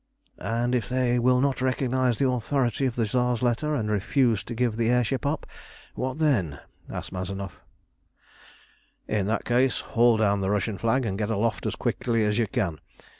"And if they will not recognise the authority of the Tsar's letter, and refuse to give the air ship up, what then?" asked Mazanoff. "In that case haul down the Russian flag, and get aloft as quickly as you can.